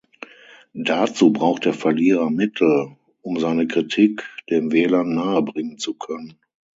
Dazu braucht der Verlierer Mittel, um seine Kritik den Wählern nahebringen zu können.